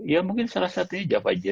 ya mungkin salah satunya java jazz ya